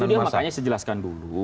itu dia makanya saya jelaskan dulu